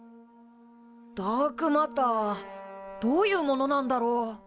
ダークマターどういうものなんだろう？